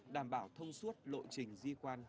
đảm bảo thông suốt lộ trình di quan